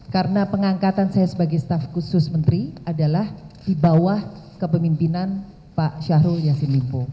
karena pengangkatan saya sebagai staff khusus menteri adalah di bawah kepemimpinan pak syahrul yasin lipo